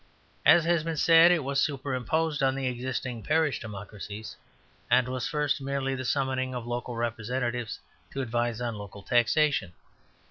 As has been said, it was superimposed on the existing parish democracies, and was first merely the summoning of local representatives to advise on local taxation.